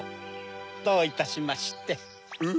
・どういたしまして・えっ？